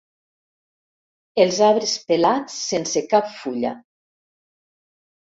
Els arbres pelats sense cap fulla.